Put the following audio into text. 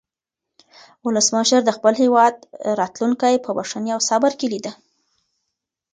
ولسمشر د خپل هېواد راتلونکی په بښنې او صبر کې لیده.